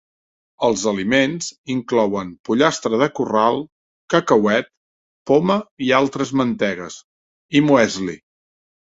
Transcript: Els aliments inclouen pollastre de corral; cacauet, poma i altres mantegues; i muesli.